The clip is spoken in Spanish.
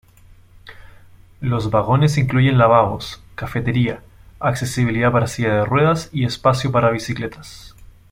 Los vagones incluyen lavabos, cafetería, accesibilidad para silla de ruedas y espacio para bicicletas.